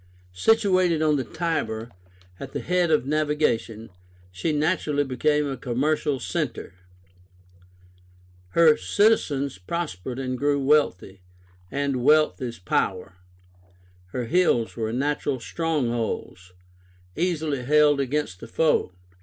Situated on the Tiber, at the head of navigation, she naturally became a commercial centre. Her citizens prospered and grew wealthy, and wealth is power. Her hills were natural strongholds, easily held against a foe.